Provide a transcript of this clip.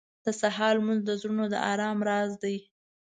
• د سهار لمونځ د زړونو د ارام راز دی.